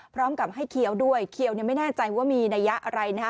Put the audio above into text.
พร้อมกับให้เคี้ยวด้วยเคี้ยวไม่แน่ใจว่ามีนัยยะอะไรนะฮะ